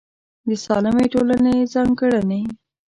د سالمې ټولنې ځانګړنې